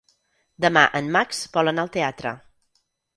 Demà en Max vol anar al teatre.